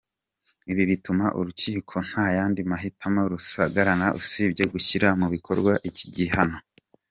Ibi bituma urukiko nta yandi mahitamo rusigarana usibye gushyira mu bikorwa iki gihano.